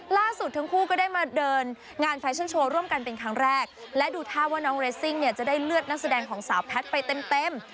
ล่าสุดทั้งคู่ก็ได้มาเดินงานแฟชั่นโชว์ร่วมกันเป็นครั้งแรกและดูท่าว่าน้องเรสซิ่งเนี่ยจะได้เลือดนักแสดงของสาวแพทย์ไปเต็มเต็ม